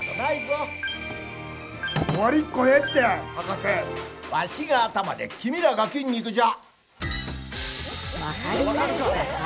そんなわしが頭で君らが筋肉じゃ！